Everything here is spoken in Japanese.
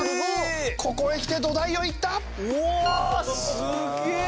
すげえ！